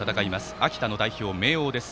秋田の代表・明桜です。